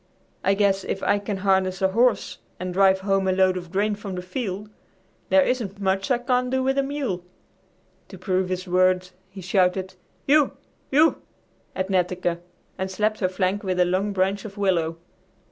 I guess if I can harness a horse and drive home a load of grain from the field, there isn't much I can't do with a mule!" To prove his words he shouted "U U" at Netteke and slapped her flank with a long branch of willow.